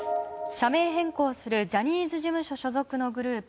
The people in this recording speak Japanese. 社名変更するジャニーズ事務所所属のグループ